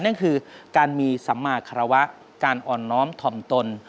นั่นคือการมีสัมมาคารวะการอ่อนน้อมถ่อมตน